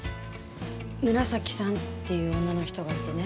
紫さんっていう女の人がいてね。